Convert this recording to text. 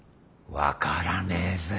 分からねえぜ。